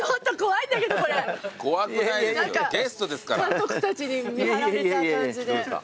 監督たちに見張られた感じで。